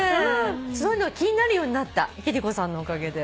そういうの気になるようになった貴理子さんのおかげで。